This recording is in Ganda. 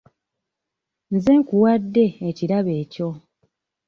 Nze nkuwadde ekirabo ekyo.